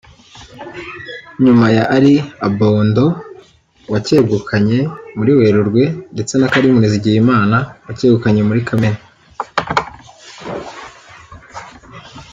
nyuma ya Ali Abondo wacyegukanye muri Werurwe ndetse na Karim Nizigiyimana wacyegukanye muri Kamena